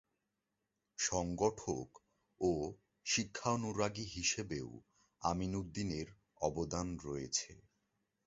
সংগঠক ও শিক্ষানুরাগী হিসেবেও আমিনউদ্দিনের অবদান রয়েছে।